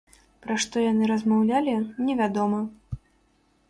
Пра што яны размаўлялі, невядома.